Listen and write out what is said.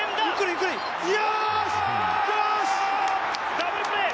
ダブルプレー！